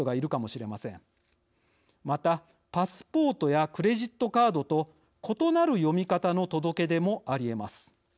またパスポートやクレジットカードと異なる読み方の届け出もありえます。